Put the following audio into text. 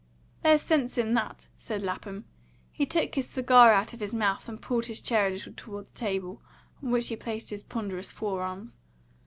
"There's sense in that," said Lapham. He took his cigar out of his mouth, and pulled his chair a little toward the table, on which he placed his ponderous fore arms.